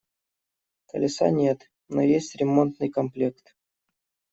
Колеса нет, но есть ремонтный комплект.